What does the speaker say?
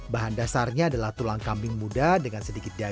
bahan dasarnya adalah tulang kambing muda dengan sedikit daging